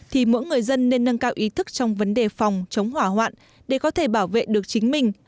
thì mỗi người dân nên nâng cao ý thức trong vấn đề phòng chống hỏa hoạn để có thể bảo vệ được chính mình